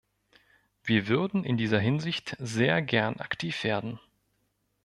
Wir würden in dieser Hinsicht sehr gern aktiv werden.